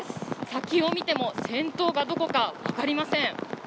先を見ても、先頭がどこか分かりません。